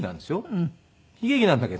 悲劇なんだけど。